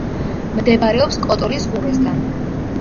მდებარეობს კოტორის ყურესთან.